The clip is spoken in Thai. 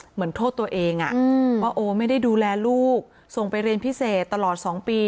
เหมือนโทษตัวเองว่าโอไม่ได้ดูแลลูกส่งไปเรียนพิเศษตลอด๒ปี